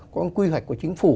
có những quy hoạch của chính phủ